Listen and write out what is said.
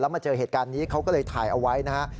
มาเจอเหตุการณ์นี้เขาก็เลยถ่ายเอาไว้นะฮะ